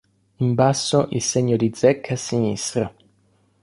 In basso il segno di zecca a sinistra.